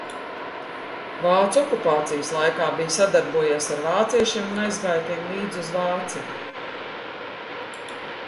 Vācu okupācijas laikā bij sadarbojies ar vāciešiem, un aizgāja tiem līdzi uz Vāciju.